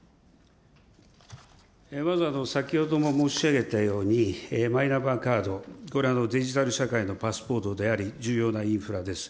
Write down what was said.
まず先ほども申し上げたように、マイナンバーカード、これデジタル社会のパスポートであり、重要なインフラです。